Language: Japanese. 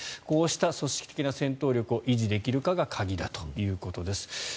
こうした組織的な戦闘力を維持できるかが鍵だということです。